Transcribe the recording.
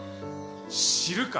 知るか！